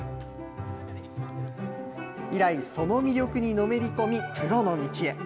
以来、その魅力にのめり込み、プロの道へ。